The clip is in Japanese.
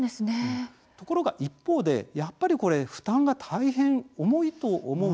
ところが一方で、やっぱりこれ負担が大変、重いと思うんです。